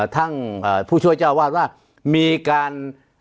ท่านผู้ช่วยเจ้าวาดว่ามีการ